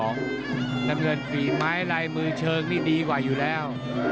น้ำเงินฝีไม้ลายมือเชิงนี่ดีกว่าอยู่แล้ว